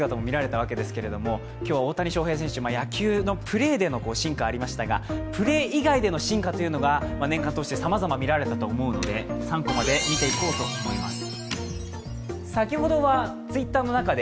今日は大谷翔平選手、野球でのプレーでの進化もありましたがプレー以外での進化というのが年間通してさまざま見られたと思うので３コマで見ていこうと思います。